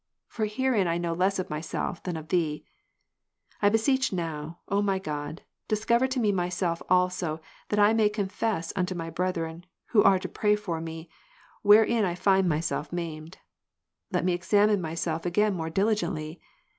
For herein I know less of myself, than of Thee p. I beseech now, O my God, discov'er to me myself also, that I may confess unto my brethren, who are to pray for me, wherein I find myself maimed. Let me examine myself again more diligently.